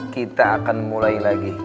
kita akan mulai lagi